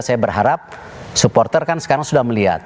saya berharap supporter kan sekarang sudah melihat